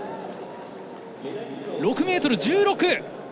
６ｍ１６！